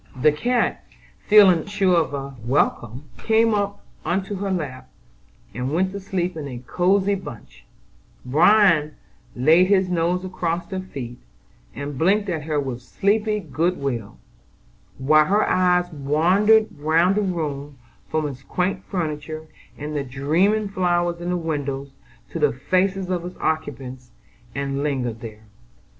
The cat, feeling sure of a welcome, got up into her lap, and went to sleep in a cosy bunch; Bran laid his nose across her feet, and blinked at her with sleepy good will, while her eyes wandered round the room, from its quaint furniture and the dreaming flowers in the windows, to the faces of its occupants, and lingered there.